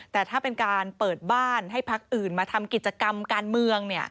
แต่ถ้าเป็นการเปิดบ้านให้พักอื่นมาทำกิจกรรมการเมือง